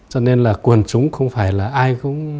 cho nên là quần chúng không phải là ai